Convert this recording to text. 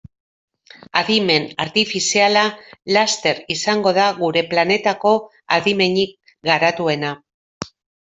Adimen artifiziala laster izango da gure planetako adimenik garatuena.